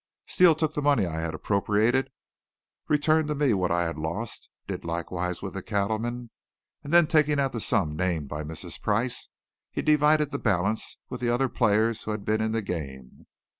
Steele took the money I had appropriated, returned to me what I had lost, did likewise with the cattleman, and then, taking out the sum named by Mrs. Price, he divided the balance with the other players who had been in the game.